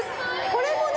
これもね